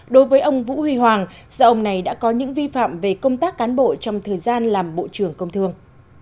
đối với ông vũ huy hoàng gia ông này đã có những vi phạm về công tác cán bộ trong thời gian làm bộ trưởng công thương